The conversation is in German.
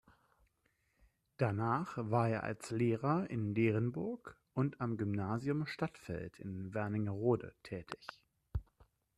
Danach war er als Lehrer in Derenburg und am Gymnasium Stadtfeld in Wernigerode tätig.